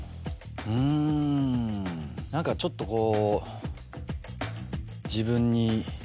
うん何かちょっとこう。